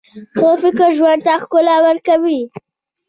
ښه فکر ژوند ته ښکلا ورکوي.